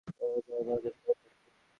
আমি আমার জায়গা পরিবর্তন করে ফেলছি।